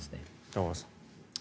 玉川さん。